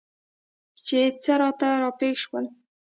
چې څه راته راپېښ شول؟